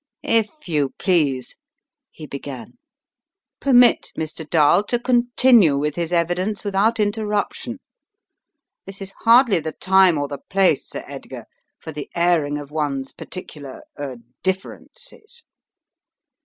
"If you please," he began, "permit Mr. Dall to The Twin Scarves 227 continue with his evidence without interruption. This is hardly the time or the place, Sir Edgar, for the airing of one's particular — er — differences.